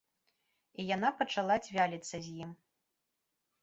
І яна пачала цвяліцца з ім.